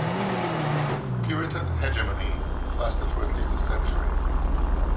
Puritan hegemony lasted for at least a century.